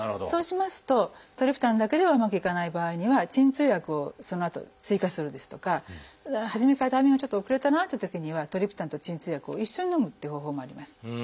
そうしますとトリプタンだけではうまくいかない場合には鎮痛薬をそのあと追加するですとか初めからタイミングがちょっと遅れたなっていうときにはトリプタンと鎮痛薬を一緒にのむっていう方法もあります。